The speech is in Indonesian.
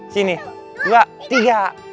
sini dua tiga